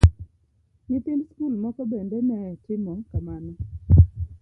Nyithind skul moko bende ne timo kamano.